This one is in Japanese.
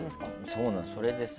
そうなんです。